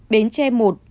bến tre một